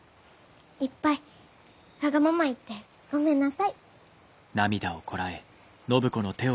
いっぱいわがまま言ってごめんなさい。